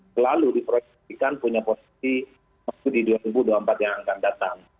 selalu diproyeksikan punya posisi di dua ribu dua puluh empat yang akan datang